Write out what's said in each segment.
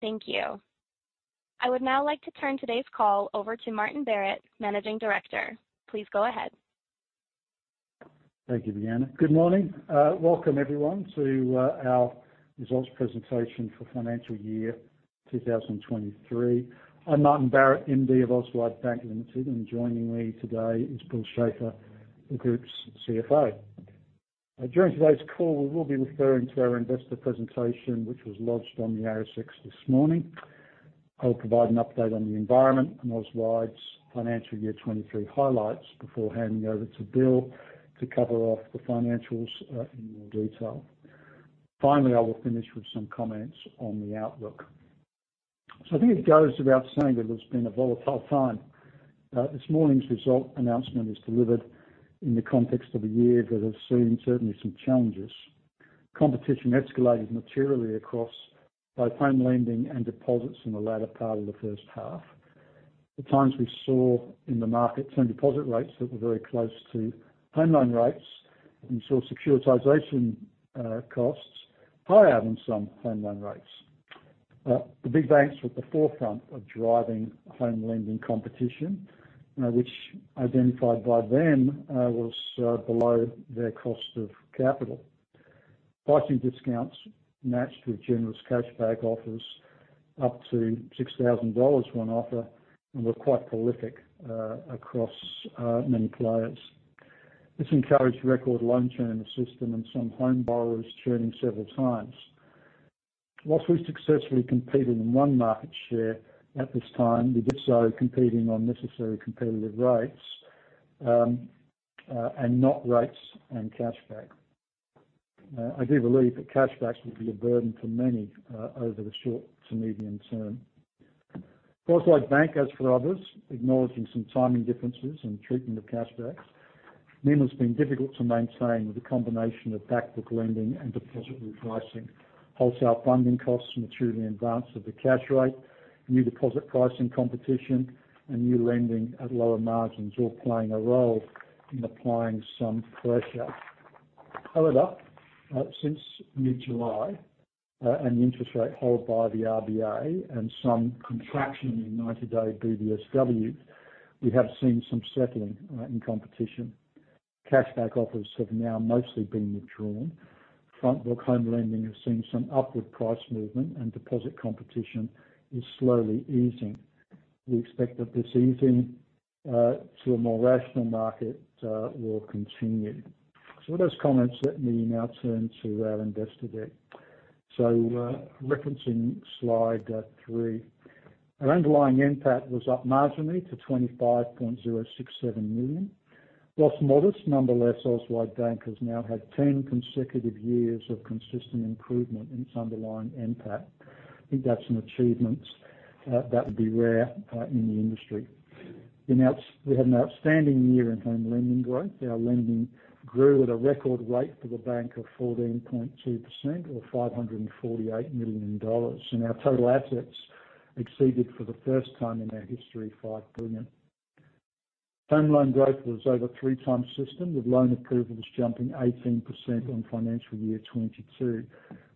Thank you. I would now like to turn today's call over to Martin Barrett, Managing Director. Please go ahead. Thank you, Deanna. Good morning. Welcome, everyone, to our results presentation for financial year 2023. I'm Martin Barrett, MD of Auswide Bank Limited, and joining me today is Bill Schafer, the group's CFO. During today's call, we will be referring to our investor presentation, which was lodged on the ASX this morning. I'll provide an update on the environment and Auswide's financial year 2023 highlights before handing over to Bill to cover off the financials in more detail. Finally, I will finish with some comments on the outlook. So I think it goes without saying that it's been a volatile time. This morning's result announcement is delivered in the context of a year that has seen certainly some challenges. Competition escalated materially across both home lending and deposits in the latter part of the first half. At times, we saw in the market term deposit rates that were very close to home loan rates, and we saw securitization costs higher than some home loan rates. The big banks were at the forefront of driving home lending competition, which identified by them was below their cost of capital. Pricing discounts matched with generous cashback offers, up to 6,000 dollars one offer, and were quite prolific across many players. This encouraged record loan churn in the system and some home borrowers churning several times. While we successfully competed in one market share at this time, we did so competing on necessary competitive rates, and not rates and cashback. I do believe that cashbacks will be a burden for many over the short to medium term. For Auswide Bank, as for others, acknowledging some timing differences and treatment of cashbacks, NIM has been difficult to maintain with a combination of back book lending and deposit repricing. Wholesale funding costs materially in advance of the cash rate, new deposit pricing competition, and new lending at lower margins, all playing a role in applying some pressure. However, since mid-July, and the interest rate hold by the RBA and some contraction in 90-day BBSW, we have seen some settling in competition. Cashback offers have now mostly been withdrawn. Front book home lending has seen some upward price movement, and deposit competition is slowly easing. We expect that this easing to a more rational market will continue. So with those comments, let me now turn to our investor deck. So, referencing slide three. Our underlying NPAT was up marginally to 25.067 million. While modest, nonetheless, Auswide Bank has now had 10 consecutive years of consistent improvement in its underlying NPAT. I think that's an achievement that would be rare in the industry. We had an outstanding year in home lending growth. Our lending grew at a record rate for the bank of 14.2%, or 548 million dollars, and our total assets exceeded, for the first time in our history, 5 billion. Home loan growth was over three times system, with loan approvals jumping 18% on financial year 2022,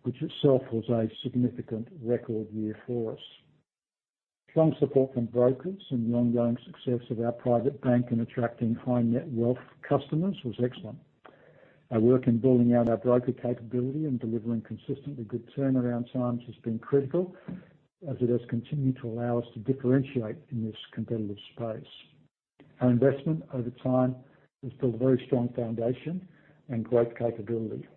which itself was a significant record year for us. Strong support from brokers and the ongoing success of our private bank in attracting high net wealth customers was excellent. Our work in building out our broker capability and delivering consistently good turnaround times has been critical, as it has continued to allow us to differentiate in this competitive space. Our investment over time has built a very strong foundation and great capability.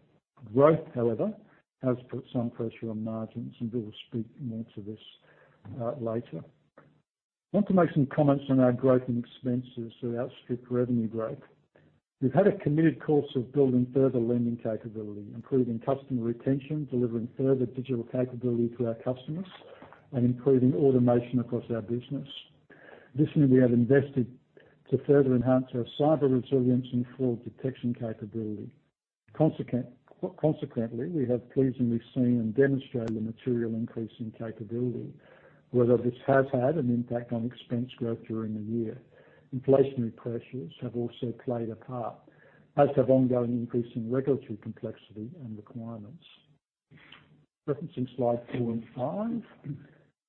Growth, however, has put some pressure on margins, and Bill will speak more to this later. I want to make some comments on our growth and expenses that outstripped revenue growth. We've had a committed course of building further lending capability, improving customer retention, delivering further digital capability to our customers, and improving automation across our business. Additionally, we have invested to further enhance our cyber resilience and fraud detection capability. Consequently, we have pleasingly seen and demonstrated a material increase in capability, whether this has had an impact on expense growth during the year. Inflationary pressures have also played a part, as have ongoing increase in regulatory complexity and requirements. Referencing slides four and five,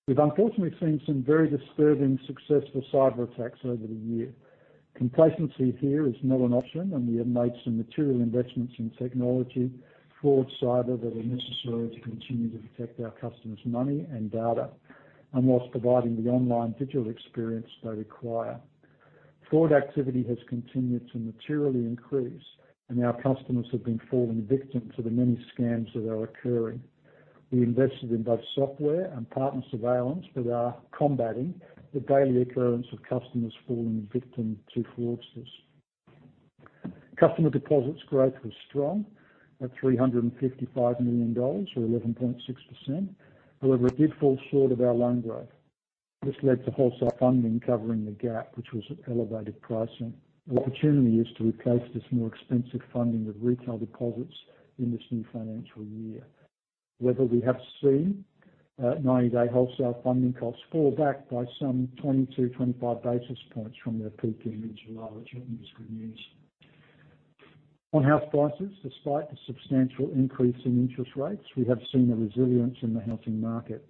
we've unfortunately seen some very disturbing successful cyberattacks over the year. Complacency here is not an option, and we have made some material investments in technology, fraud, cyber, that are necessary to continue to protect our customers' money and data, and while providing the online digital experience they require. Fraud activity has continued to materially increase, and our customers have been falling victim to the many scams that are occurring. We invested in both software and partner surveillance that are combating the daily occurrence of customers falling victim to fraudsters. Customer deposits growth was strong at 355 million dollars, or 11.6%. However, it did fall short of our loan growth. This led to wholesale funding covering the gap, which was at elevated pricing. The opportunity is to replace this more expensive funding with retail deposits in this new financial year. Whether we have seen, ninety-day wholesale funding costs fall back by some 20-25 basis points from their peak in July, which I think is good news. On house prices, despite the substantial increase in interest rates, we have seen a resilience in the housing market.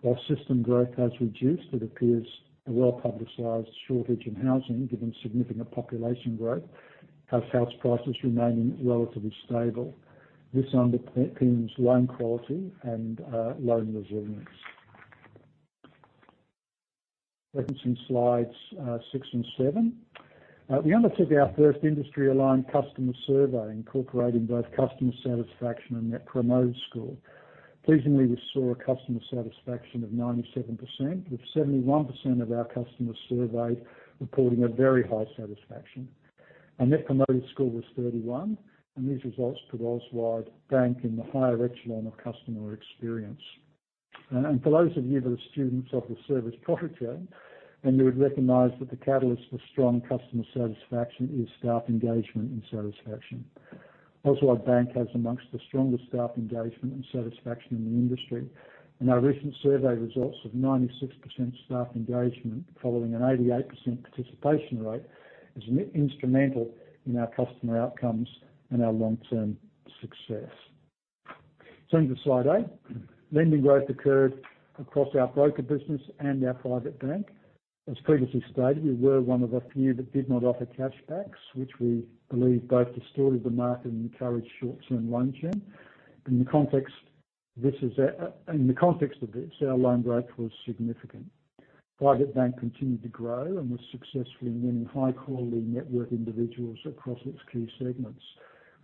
While system growth has reduced, it appears a well-publicized shortage in housing, given significant population growth, has house prices remaining relatively stable. This underpins loan quality and, loan resilience. Referencing slides six and seven. We undertook our first industry-aligned customer survey, incorporating both customer satisfaction and Net Promoter Score. Pleasingly, we saw a customer satisfaction of 97%, with 71% of our customers surveyed reporting a very high satisfaction. Our Net Promoter Score was 31, and these results put Auswide Bank in the higher echelon of customer experience. For those of you that are students of the Service Profit Chain, then you would recognize that the catalyst for strong customer satisfaction is staff engagement and satisfaction. Auswide Bank has among the strongest staff engagement and satisfaction in the industry, and our recent survey results of 96% staff engagement, following an 88% participation rate, is instrumental in our customer outcomes and our long-term success. Turning to slide eight. Lending growth occurred across our broker business and our private bank. As previously stated, we were one of the few that did not offer cashbacks, which we believe both distorted the market and encouraged short-term loan churn. In the context of this, our loan growth was significant. Private bank continued to grow and was successfully winning high-quality net worth individuals across its key segments.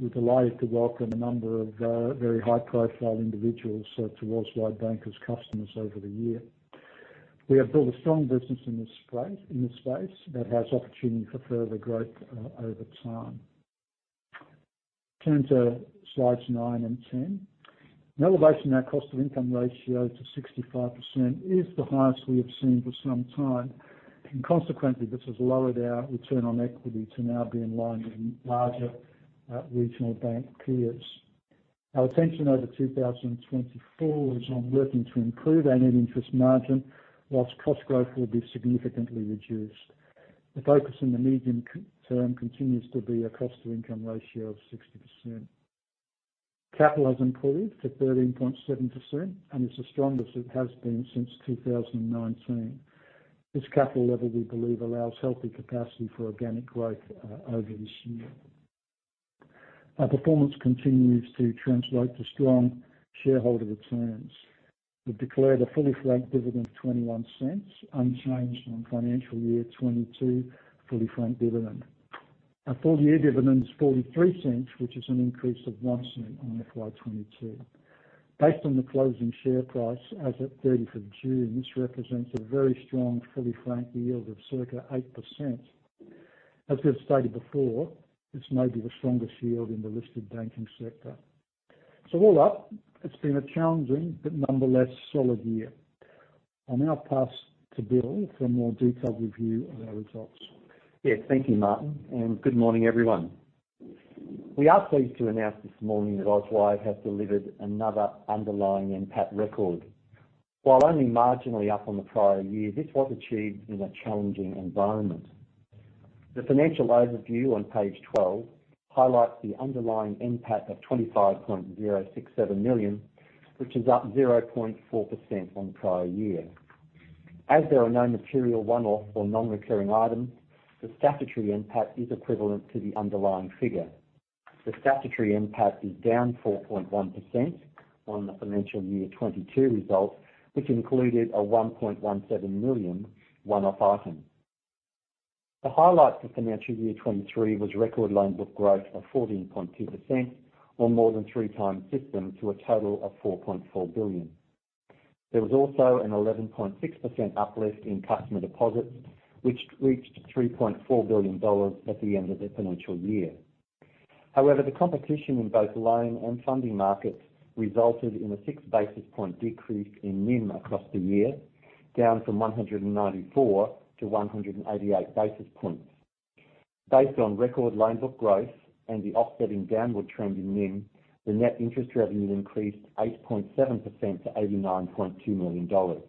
We're delighted to welcome a number of very high-profile individuals to Auswide Bank as customers over the year. We have built a strong business in this space, in this space, that has opportunity for further growth over time. Turn to Slides nine and 10. An elevation in our cost-to-income ratio to 65% is the highest we have seen for some time, and consequently, this has lowered our return on equity to now be in line with larger regional bank peers. Our attention over 2024 is on working to improve our net interest margin, while cost growth will be significantly reduced. The focus in the medium-term continues to be a cost-to-income ratio of 60%. Capital has improved to 13.7% and is the strongest it has been since 2019. This capital level, we believe, allows healthy capacity for organic growth over this year. Our performance continues to translate to strong shareholder returns. We've declared a fully franked dividend of 0.21, unchanged from Financial Year 2022 fully franked dividend. Our full-year dividend is 0.43, which is an increase of 0.01 on FY 2022. Based on the closing share price as at 30 June, this represents a very strong, fully franked yield of circa 8%. As we've stated before, this may be the strongest yield in the listed banking sector. So all up, it's been a challenging but nonetheless solid year. I'll now pass to Bill for a more detailed review of our results. Yeah, thank you, Martin, and good morning, everyone. We are pleased to announce this morning that Auswide has delivered another underlying NPAT record. While only marginally up on the prior year, this was achieved in a challenging environment. The financial overview on page 12 highlights the underlying NPAT of 25.067 million, which is up 0.4% on the prior year. As there are no material one-off or non-recurring items, the statutory NPAT is equivalent to the underlying figure. The statutory NPAT is down 4.1% on the Financial Year 2022 results, which included a 1.17 million one-off item. The highlight of financial year 2023 was record loan book growth of 14.2%, or more than three times system, to a total of 4.4 billion. There was also an 11.6% uplift in customer deposits, which reached 3.4 billion dollars at the end of the financial year. However, the competition in both loan and funding markets resulted in a 6 basis points decrease in NIM across the year, down from 194-188 basis points. Based on record loan book growth and the offsetting downward trend in NIM, the net interest revenues increased 8.7% to 89.2 million dollars.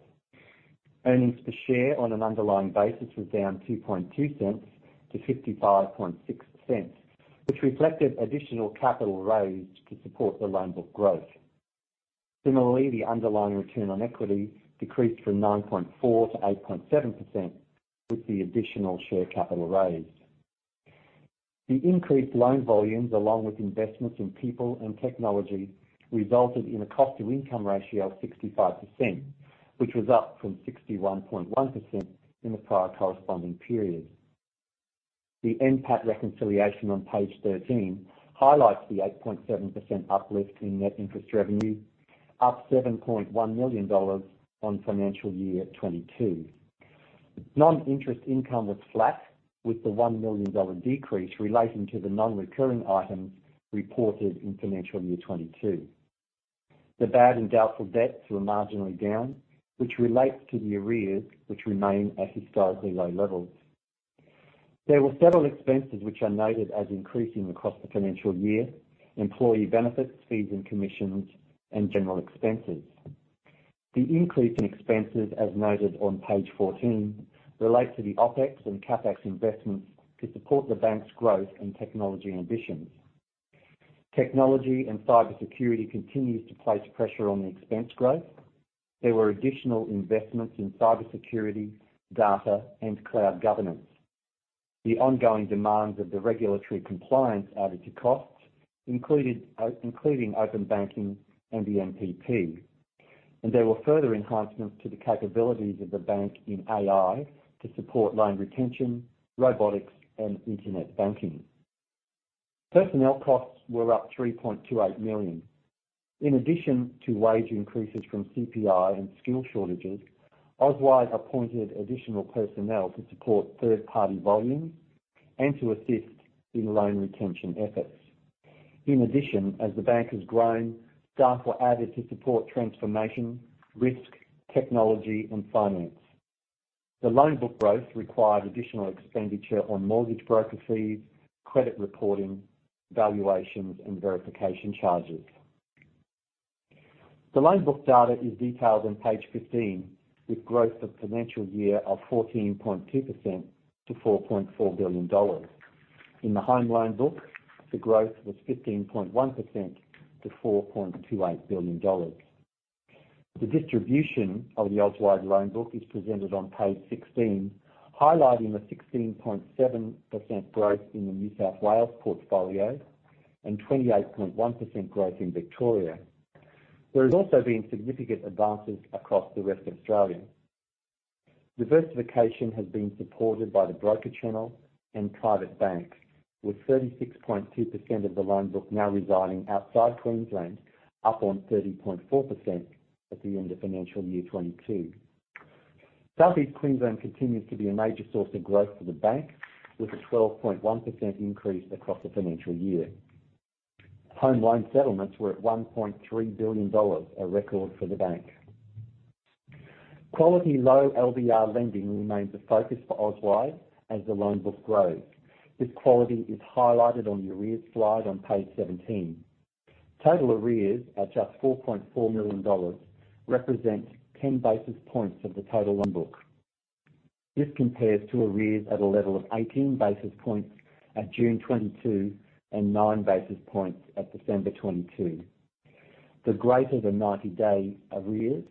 Earnings per share on an underlying basis was down $0.22-$0.556 which reflected additional capital raised to support the loan book growth. Similarly, the underlying return on equity decreased from 9.4% to 8.7% with the additional share capital raised. The increased loan volumes, along with investments in people and technology, resulted in a cost-to-income ratio of 65%, which was up from 61.1% in the prior corresponding period. The NPAT reconciliation on page 13 highlights the 8.7% uplift in net interest revenue, up 7.1 million dollars on Financial Year 2022. Non-interest income was flat, with the 1 million dollar decrease relating to the non-recurring items reported in Financial Year 2022. The bad and doubtful debts were marginally down, which relates to the arrears, which remain at historically low levels. There were several expenses which are noted as increasing across the financial year: employee benefits, fees and commissions, and general expenses. The increase in expenses, as noted on page 14, relates to the OpEx and CapEx investments to support the bank's growth and technology ambitions. Technology and cybersecurity continues to place pressure on the expense growth. There were additional investments in cybersecurity, data, and cloud governance. The ongoing demands of the regulatory compliance added to costs, including open banking and the NPP. There were further enhancements to the capabilities of the bank in AI to support loan retention, robotics, and internet banking. Personnel costs were up 3.28 million. In addition to wage increases from CPI and skill shortages, Auswide appointed additional personnel to support third-party volume and to assist in loan retention efforts. In addition, as the bank has grown, staff were added to support transformation, risk, technology, and finance. The loan book growth required additional expenditure on mortgage broker fees, credit reporting, valuations, and verification charges. The loan book data is detailed on page 15, with growth of financial year of 14.2% to 4.4 billion dollars. In the home loan book, the growth was 15.1% to 4.28 billion dollars. The distribution of the Auswide loan book is presented on page 16, highlighting the 16.7% growth in the New South Wales portfolio and 28.1% growth in Victoria. There has also been significant advances across the rest of Australia. Diversification has been supported by the broker channel and private bank, with 36.2% of the loan book now residing outside Queensland, up on 30.4% at the end of financial year 2022. Southeast Queensland continues to be a major source of growth for the bank, with a 12.1% increase across the financial year. Home loan settlements were at 1.3 billion dollars, a record for the bank. Quality low LVR lending remains a focus for Auswide as the loan book grows. This quality is highlighted on the arrears slide on page 17. Total arrears, at just 4.4 million dollars, represent 10 basis points of the total loan book. This compares to arrears at a level of 18 basis points at June 2022, and 9 basis points at December 2022. The greater than 90-day arrears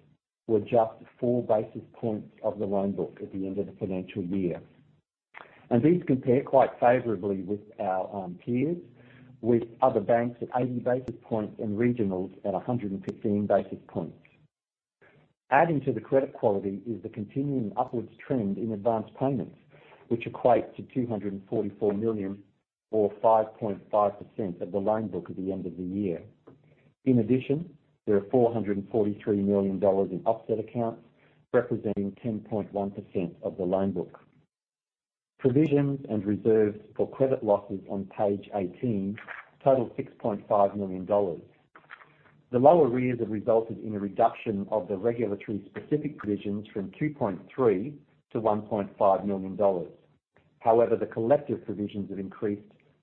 were just 4 basis points of the loan book at the end of the financial year. These compare quite favorably with our peers, with other banks at 80 basis points and regionals at 115 basis points. Adding to the credit quality is the continuing upward trend in advance payments, which equate to 244 million, or 5.5%, of the loan book at the end of the year. In addition, there are 443 million dollars in offset accounts, representing 10.1% of the loan book. Provisions and reserves for credit losses on page 18 total 6.5 million dollars. The low arrears have resulted in a reduction of the regulatory specific provisions from 2.3 million to 1.5 million dollars. However, the collective provisions have increased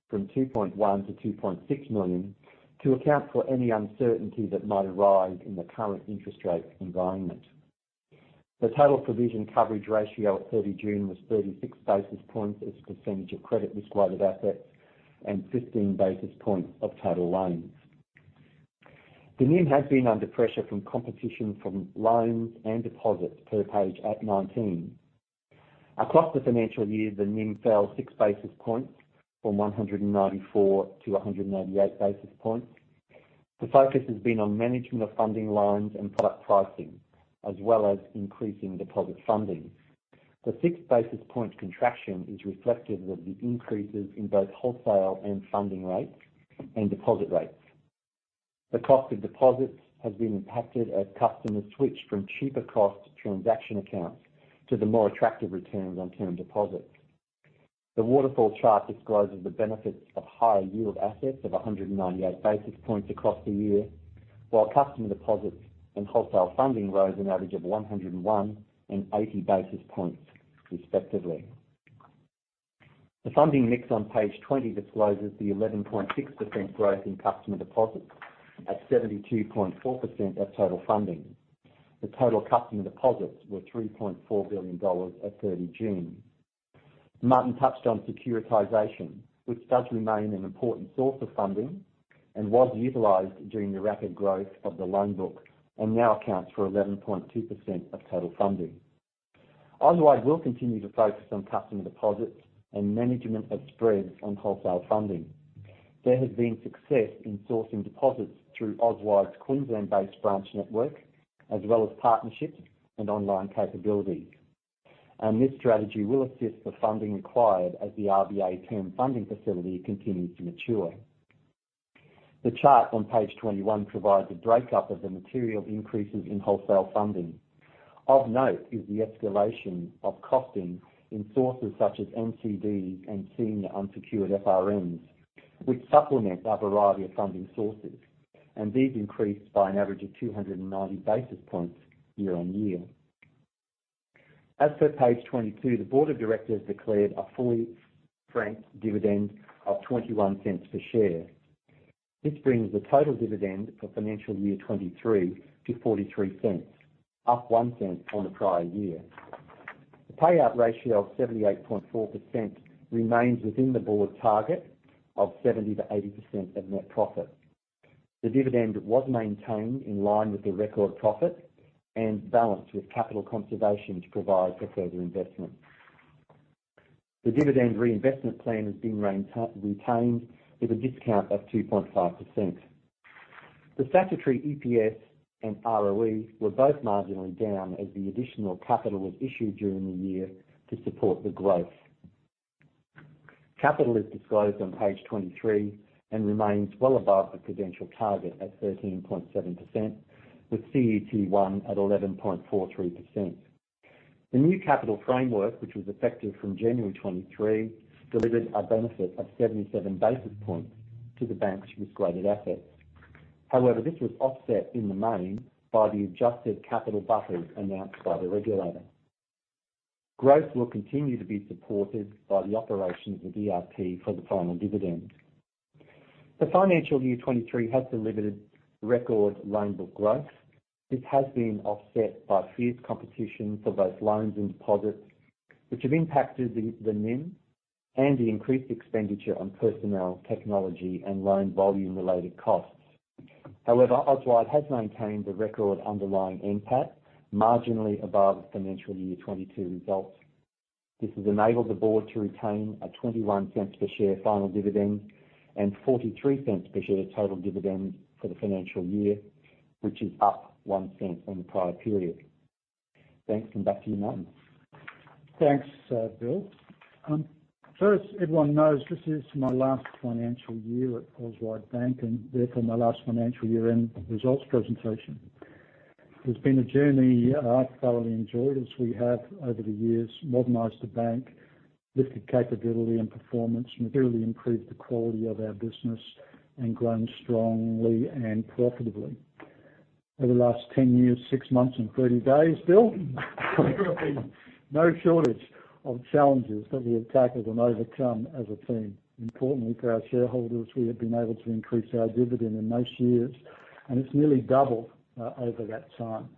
from 2.1 million to 2.6 million, to account for any uncertainty that might arise in the current interest rate environment. The total provision coverage ratio at 30 June was 36 basis points as a percentage of credit risk-weighted assets and 15 basis points of total loans. The NIM has been under pressure from competition from loans and deposits, per page at 19. Across the financial year, the NIM fell 6 basis points from 194-198 basis points. The focus has been on managing the funding loans and product pricing, as well as increasing deposit funding. The 6 basis points contraction is reflective of the increases in both wholesale and funding rates and deposit rates. The cost of deposits has been impacted as customers switch from cheaper cost transaction accounts to the more attractive returns on term deposits. The waterfall chart discloses the benefits of higher yield assets of 198 basis points across the year, while customer deposits and wholesale funding rose an average of 101 and 80 basis points, respectively. The funding mix on page 20 discloses the 11.6% growth in customer deposits at 72.4% of total funding. The total customer deposits were 3.4 billion dollars at 30 June. Martin touched on securitization, which does remain an important source of funding and was utilized during the rapid growth of the loan book, and now accounts for 11.2% of total funding. Auswide will continue to focus on customer deposits and management of spreads on wholesale funding. There has been success in sourcing deposits through Auswide's Queensland-based branch network, as well as partnerships and online capabilities, and this strategy will assist the funding required as the RBA term funding facility continues to mature. The chart on page 21 provides a breakdown of the material increases in wholesale funding. Of note, is the escalation of costing in sources such as NCDs and senior unsecured FRNs, which supplement our variety of funding sources, and these increased by an average of 290 basis points year on year. As per page 22, the board of directors declared a fully franked dividend of 0.21 per share. This brings the total dividend for financial year 2023 to 0.43, up 0.01 on the prior year. The payout ratio of 78.4% remains within the board target of 70%-80% of net profit. The dividend was maintained in line with the record profit and balanced with capital conservation to provide for further investment. The dividend reinvestment plan has been retained with a discount of 2.5%. The statutory EPS and ROE were both marginally down, as the additional capital was issued during the year to support the growth. Capital is disclosed on page 23 and remains well above the Prudential target at 13.7%, with CET1 at 11.43%. The new capital framework, which was effective from January 2023, delivered a benefit of 77 basis points to the bank's risk-weighted assets. However, this was offset in the main by the adjusted capital buffers announced by the regulator. Growth will continue to be supported by the operation of the DRP for the final dividend. The financial year 2023 has delivered record loan book growth. This has been offset by fierce competition for both loans and deposits, which have impacted the NIM and the increased expenditure on personnel, technology, and loan volume-related costs. However, Auswide has maintained a record underlying NPAT, marginally above the financial year 2022 results. This has enabled the board to retain a AUD 0.21 per share final dividend and AUD 0.43 per share total dividend for the financial year, which is up AUD 0.01 on the prior period. Thanks, and back to you, Martin. Thanks, Bill. First, everyone knows this is my last financial year at Auswide Bank, and therefore my last financial year-end results presentation. It's been a journey I've thoroughly enjoyed as we have, over the years, modernized the bank, lifted capability and performance, and really improved the quality of our business and grown strongly and profitably. Over the last 10 years, 6 months and 30 days, Bill, there have been no shortage of challenges that we have tackled and overcome as a team. Importantly, for our shareholders, we have been able to increase our dividend in those years, and it's nearly doubled over that time.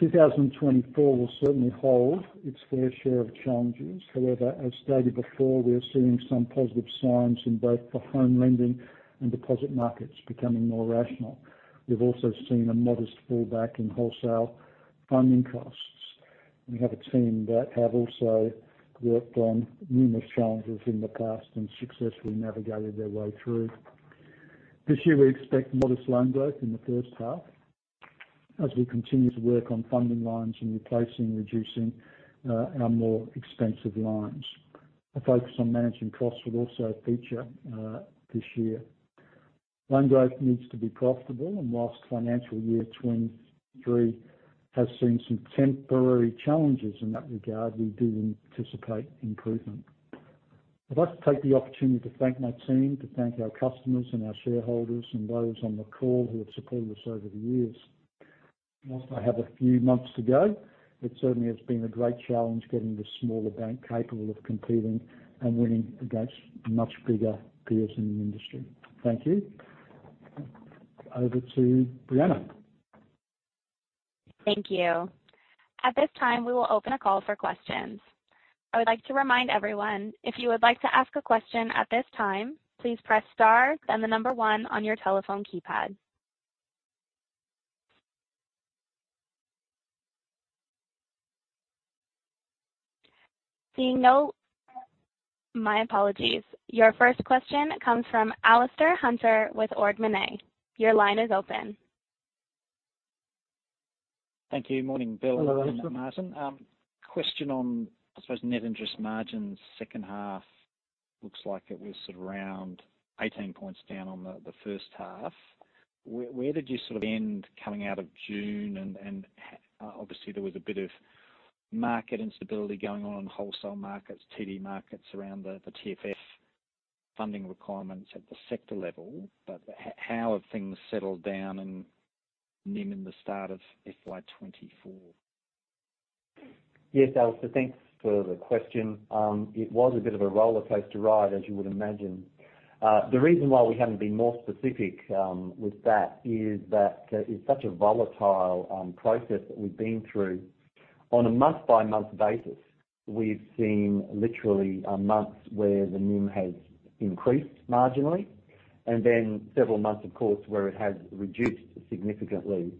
2024 will certainly hold its fair share of challenges. However, as stated before, we are seeing some positive signs in both the home lending and deposit markets becoming more rational. We've also seen a modest fallback in wholesale funding costs. We have a team that have also worked on numerous challenges in the past and successfully navigated their way through. This year, we expect modest loan growth in the first half as we continue to work on funding lines and replacing, reducing, our more expensive lines. A focus on managing costs will also feature this year. Loan growth needs to be profitable, and whilst financial year 2023 has seen some temporary challenges in that regard, we do anticipate improvement. I'd like to take the opportunity to thank my team, to thank our customers and our shareholders, and those on the call who have supported us over the years. Whilst I have a few months to go, it certainly has been a great challenge getting this smaller bank capable of competing and winning against much bigger peers in the industry. Thank you. Over to Brianna. Thank you. At this time, we will open the call for questions. I would like to remind everyone, if you would like to ask a question at this time, please press star, then the number one on your telephone keypad. My apologies. Your first question comes from Alastair Hunter with Ord Minnett. Your line is open. Thank you. Morning, Bill. Hello, Alastair. Question on, I suppose, net interest margins. Second half, looks like it was sort of around 18 points down on the first half. Where did you sort of end coming out of June? And obviously, there was a bit of market instability going on in wholesale markets, TD markets around the TFF funding requirements at the sector level. But how have things settled down and NIM in the start of FY 2024? Yes, Alistair, thanks for the question. It was a bit of a rollercoaster ride, as you would imagine. The reason why we haven't been more specific with that is that it's such a volatile process that we've been through. On a month-by-month basis, we've seen literally months where the NIM has increased marginally, and then several months, of course, where it has reduced significantly.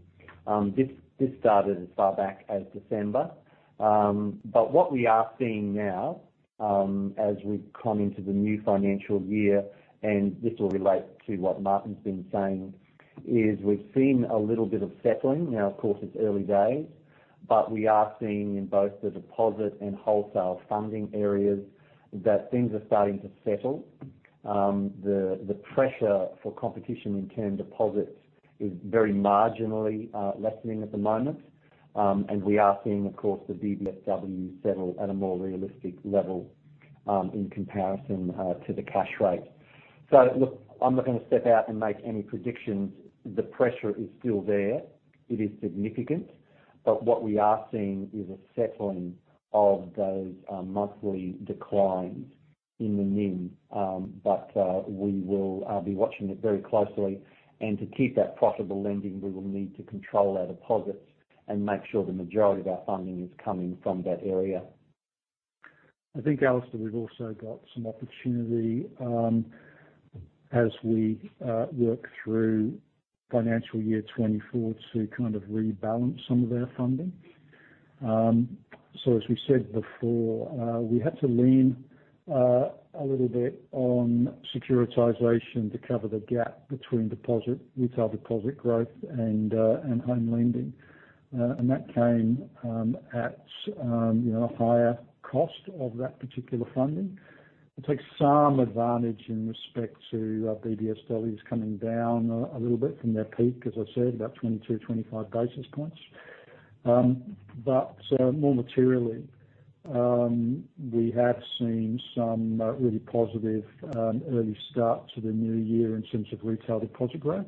This, this started as far back as December. But what we are seeing now, as we've come into the new financial year, and this will relate to what Martin's been saying, is we've seen a little bit of settling. Now, of course, it's early days, but we are seeing in both the deposit and wholesale funding areas that things are starting to settle. The pressure for competition in term deposits is very marginally lessening at the moment. And we are seeing, of course, the BBSW settle at a more realistic level in comparison to the cash rate. So look, I'm not going to step out and make any predictions. The pressure is still there. It is significant, but what we are seeing is a settling of those monthly declines in the NIM. But we will be watching it very closely. And to keep that profitable lending, we will need to control our deposits and make sure the majority of our funding is coming from that area. I think, Alistair, we've also got some opportunity as we work through financial year 2024 to kind of rebalance some of our funding. So as we said before, we had to lean a little bit on securitization to cover the gap between deposit, retail deposit growth and home lending. And that came at a higher cost of that particular funding. It takes some advantage in respect to BBSW is coming down a little bit from their peak, as I said, about 22-25 basis points. But more materially, we have seen some really positive early start to the new year in terms of retail deposit growth.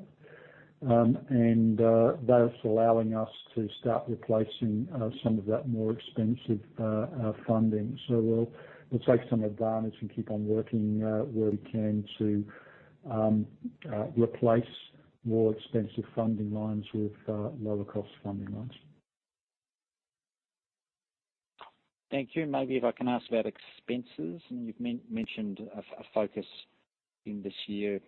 And that's allowing us to start replacing some of that more expensive funding. So we'll take some advantage and keep on working where we can to replace more expensive funding lines with lower cost funding lines. Thank you. Maybe if I can ask about expenses, and you've mentioned a focus in this year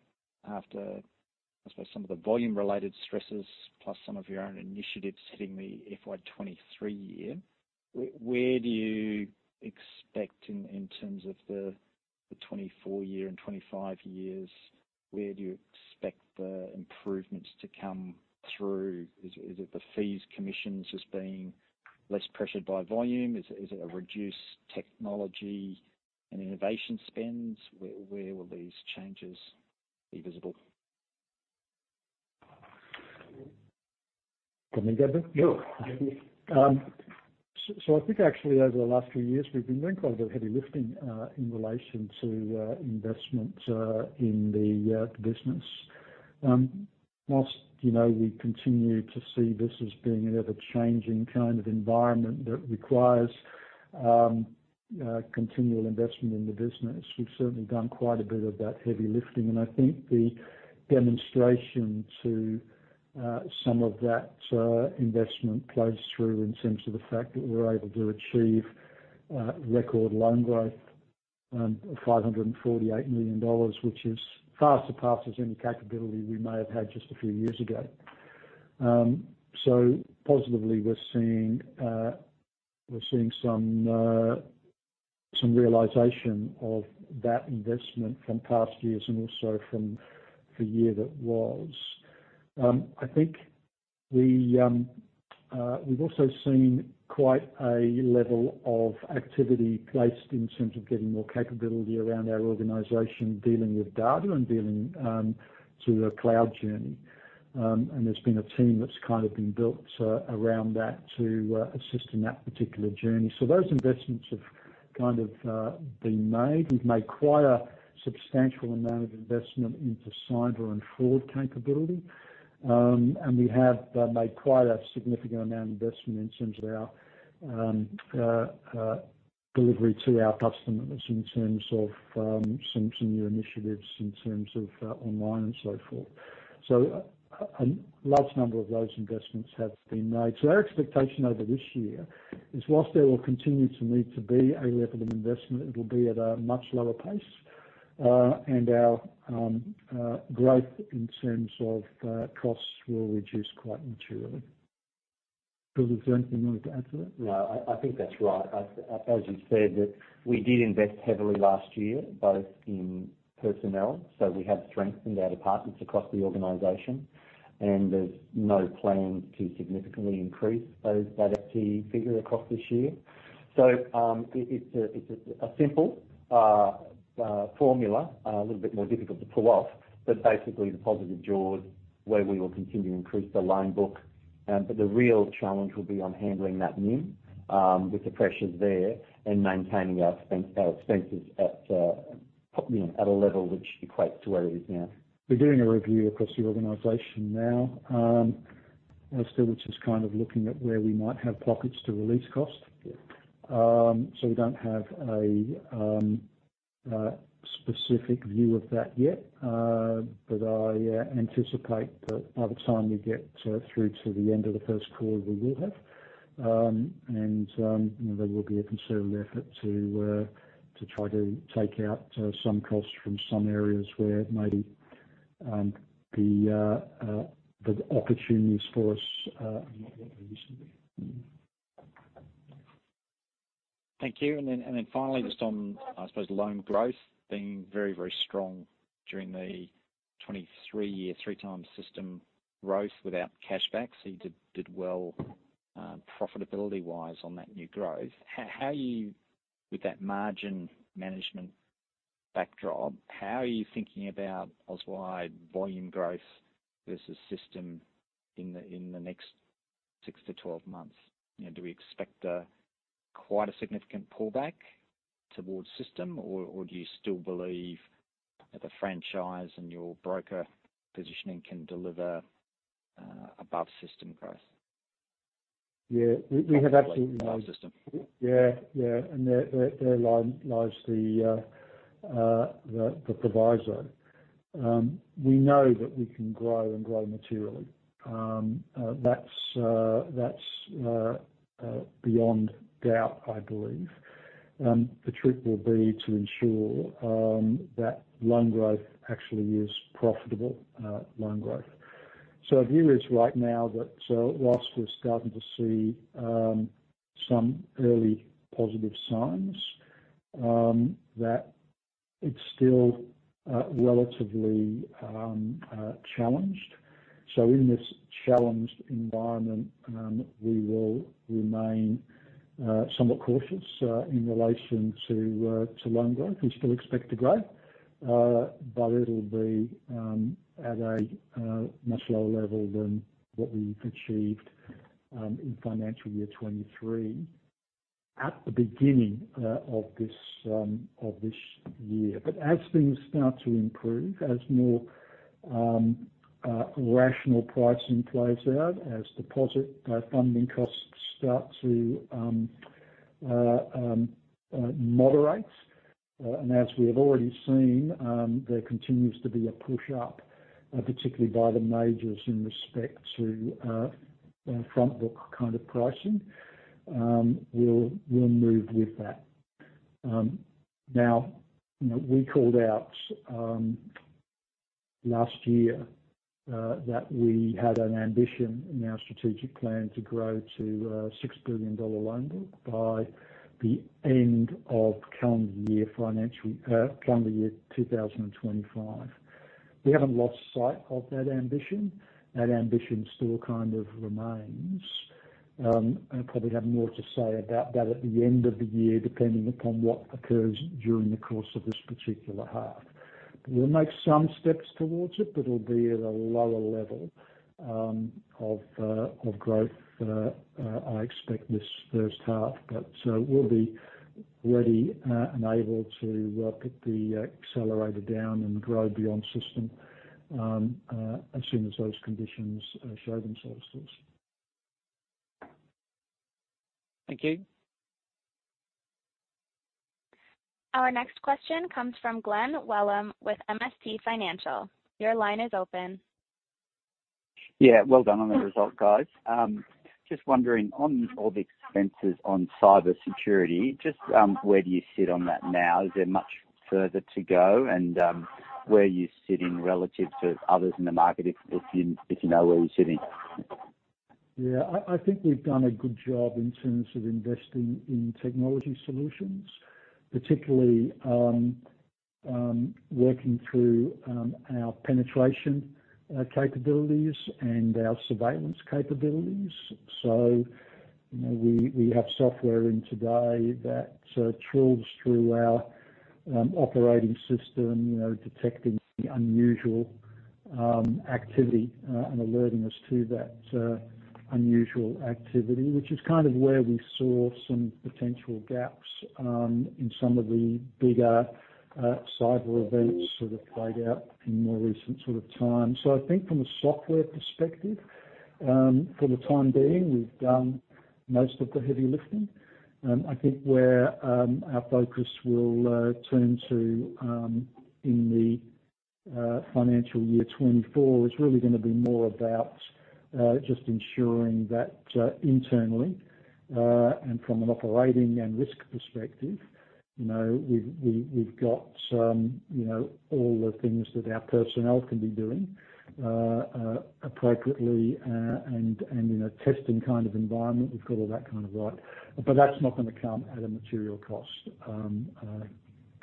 after, I suppose, some of the volume-related stresses, plus some of your own initiatives hitting the FY 2023 year. Where do you expect in terms of the 2024 year and 2025 years, where do you expect the improvements to come through? Is it the fees, commissions, just being less pressured by volume? Is it a reduced technology and innovation spends? Where will these changes be visible? So, I think actually, over the last few years, we've been doing quite a bit of heavy lifting in relation to investment in the business. While we continue to see this as being an ever-changing kind of environment that requires continual investment in the business, we've certainly done quite a bit of that heavy lifting. And I think the demonstration to some of that investment plays through in terms of the fact that we were able to achieve record loan growth of 548 million dollars, which far surpasses any capability we may have had just a few years ago. So positively, we're seeing some realization of that investment from past years and also from the year that was. I think we've also seen quite a level of activity placed in terms of getting more capability around our organization, dealing with data and dealing through a cloud journey. And there's been a team that's kind of been built around that to assist in that particular journey. So those investments have kind of been made. We've made quite a substantial amount of investment into cyber and fraud capability. And we have made quite a significant amount of investment in terms of our delivery to our customers in terms of some new initiatives, in terms of online and so forth. So a large number of those investments have been made. Our expectation over this year is, while there will continue to need to be a level of investment, it will be at a much lower pace, and our growth in terms of costs will reduce quite materially. Phil, is there anything you want to add to that? No, I think that's right. As you said, that we did invest heavily last year, both in personnel, so we have strengthened our departments across the organization, and there's no plan to significantly increase those, that OpEx figure across this year. So, it's a simple formula, a little bit more difficult to pull off. But basically, the positive jaws, where we will continue to increase the loan book, but the real challenge will be on handling that NIM, with the pressures there and maintaining our expenses at at a level which equates to where it is now. We're doing a review across the organization now, Alistair, which is kind of looking at where we might have pockets to release cost. Yeah. So we don't have a specific view of that yet, but I anticipate that by the time we get through to the end of the first quarter, we will have. And there will be a concerted effort to try to take out some costs from some areas where maybe the opportunities for us are not what they used to be. Thank you. Then finally, just on, I suppose, loan growth being very, very strong during the 2023 year, 3x system growth without cash back. So you did well profitability-wise on that new growth. How are you with that margin management backdrop, how are you thinking about Auswide volume growth versus system in the next 6-12 months? Do we expect quite a significant pullback towards system, or do you still believe that the franchise and your broker positioning can deliver above system growth? Yeah, we have absolutely. System. Yeah, yeah. And there lies the proviso. We know that we can grow and grow materially. That's beyond doubt, I believe. The trick will be to ensure that loan growth actually is profitable loan growth. So the view is right now that whilst we're starting to see some early positive signs that it's still relatively challenged. So in this challenged environment, we will remain somewhat cautious in relation to loan growth. We still expect to grow, but it'll be at a much lower level than what we've achieved in financial year 2023, at the beginning of this year. But as things start to improve, as more rational pricing plays out, as deposit funding costs start to moderate, and as we have already seen, there continues to be a push up, particularly by the majors in respect to front book kind of pricing, we'll move with that. Now, we called out last year that we had an ambition in our strategic plan to grow to a 6 billion dollar loan book by the end of calendar year 2025. We haven't lost sight of that ambition. That ambition still kind of remains. I'll probably have more to say about that at the end of the year, depending upon what occurs during the course of this particular half. We'll make some steps towards it, but it'll be at a lower level of growth, I expect this first half. But, we'll be ready and able to put the accelerator down and grow beyond system as soon as those conditions show themselves to us. Thank you. Our next question comes from Glenn Welham with MST Financial. Your line is open. Yeah, well done on the result, guys. Just wondering, on all the expenses on cybersecurity, just, where do you sit on that now? Is there much further to go, and where you sit in relative to others in the market, if you know where you're sitting? Yeah, I think we've done a good job in terms of investing in technology solutions, particularly, working through our penetration capabilities and our surveillance capabilities. So we have software in today that trawls through our operating system detecting the unusual activity and alerting us to that unusual activity. Which is kind of where we saw some potential gaps in some of the bigger cyber events sort of played out in more recent sort of time. So I think from a software perspective, for the time being, we've done most of the heavy lifting. I think where our focus will turn to in the financial year 2024 is really gonna be more about just ensuring that internally and from an operating and risk perspective we've got all the things that our personnel can be doing appropriately and in a testing kind of environment. We've got all that kind of right. But that's not gonna come at a material cost,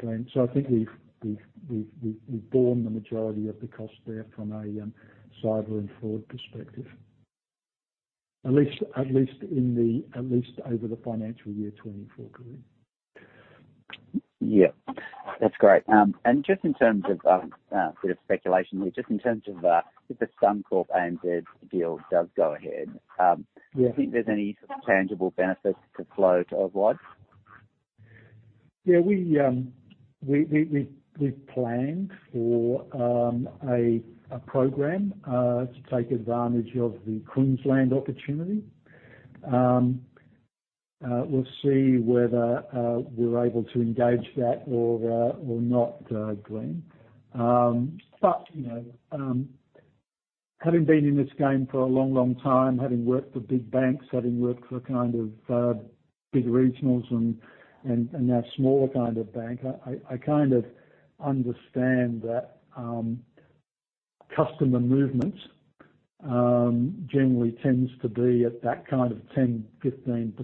Glenn. So I think we've borne the majority of the cost there from a cyber and fraud perspective. At least over the financial year 2024, Glenn. Yeah. That's great. And just in terms of a bit of speculation here, just in terms of if the Suncorp ANZ deal does go ahead, Yeah Do you think there's any tangible benefit to flow to Auswide? Yeah, we've planned for a program to take advantage of the Queensland opportunity. We'll see whether we're able to engage that or not, Glenn. But having been in this game for a long, long time, having worked for big banks, having worked for kind of big regionals and now smaller kind of bank, I kind of understand that customer movements generally tends to be at that kind of 10-15%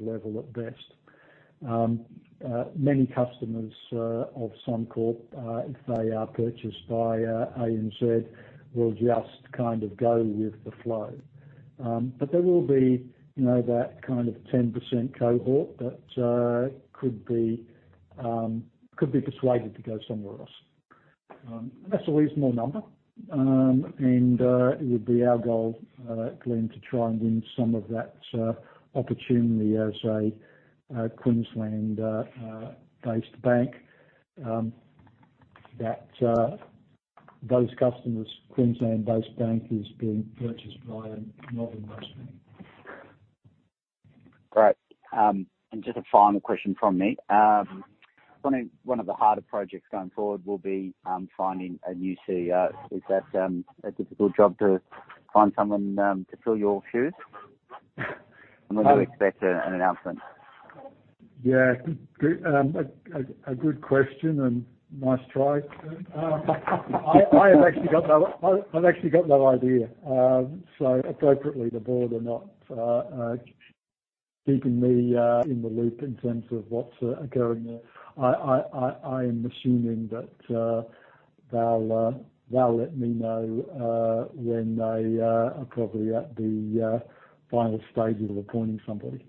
level at best. Many customers of Suncorp, if they are purchased by ANZ, will just kind of go with the flow. But there will be that kind of 10% cohort that could be persuaded to go somewhere else. That's a reasonable number. And, it would be our goal, Glenn, to try and win some of that opportunity as a Queensland-based bank that those customers Queensland-based bank is being purchased by a northern-based bank. Great. And just a final question from me. One of the harder projects going forward will be finding a new CEO. Is that a difficult job to find someone to fill your shoes? And when do you expect an announcement? Yeah. Good, a good question and nice try. I have actually got no... I've actually got no idea. So appropriately, the board are not keeping me in the loop in terms of what's going there. I'm assuming that they'll let me know when they are probably at the final stages of appointing somebody.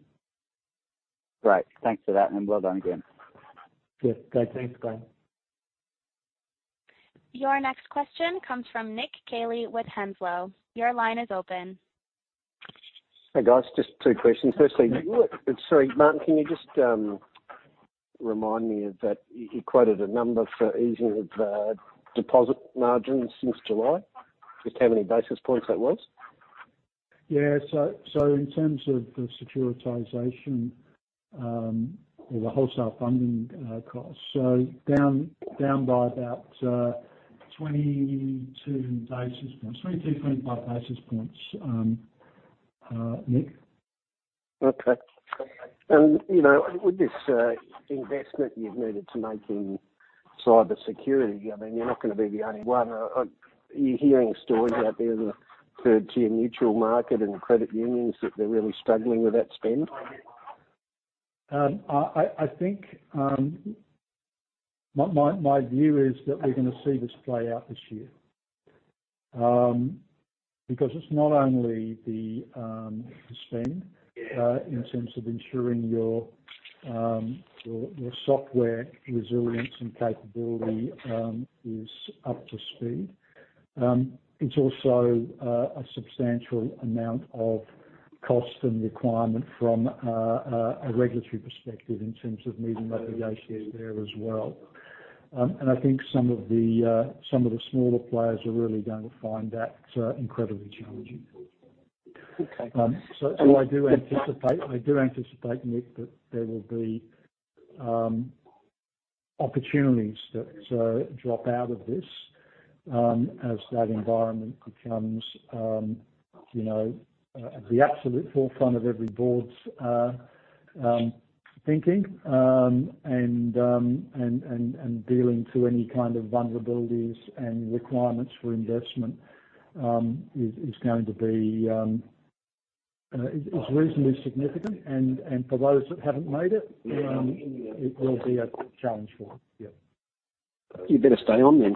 Great. Thanks for that, and well done, again. Yeah. Okay, thanks, Glenn. Your next question comes from Nick Caley with Henslow. Your line is open. Hey, guys. Just two questions. Firstly, sorry, Martin, can you just remind me of that you quoted a number for easing of the deposit margins since July? Just how many basis points that was? Yeah. So in terms of the securitization or the wholesale funding costs, so down by about 22-25 basis points, Nick. Okay. And with this, investment you've needed to make in cybersecurity, I mean, you're not going to be the only one. Are you hearing stories out there that referred to your mutual market and credit unions, that they're really struggling with that spend? I think my view is that we're going to see this play out this year. Because it's not only the spend in terms of ensuring your software resilience and capability is up to speed. It's also a substantial amount of cost and requirement from a regulatory perspective in terms of meeting obligations there as well. And I think some of the smaller players are really going to find that incredibly challenging. Okay. So, I do anticipate, Nick, that there will be opportunities that drop out of this as that environment becomes at the absolute forefront of every board's thinking. And dealing to any kind of vulnerabilities and requirements for investment is going to be reasonably significant. And for those that haven't made it, it will be a challenge for them, yeah. You better stay on then?